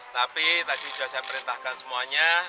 tapi tadi sudah saya perintahkan semuanya